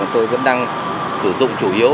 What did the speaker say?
tôi vẫn đang sử dụng chủ yếu